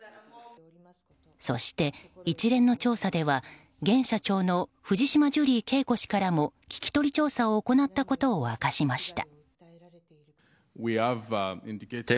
そして、一連の調査では現社長の藤島ジュリー景子氏からも聞き取り調査を行ったことを明かしました。